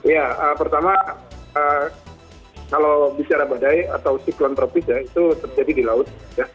ya pertama kalau bicara badai atau siklon tropis ya itu terjadi di laut